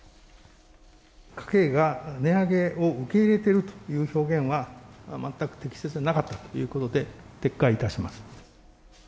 家計が値上げを受け入れているという表現は、全く適切でなかったということで、撤回いたします。